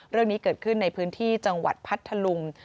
เรื่องนี้เกิดขึ้นในพื้นที่จังหวัดพัทธลุง